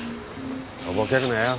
とぼけるなよ。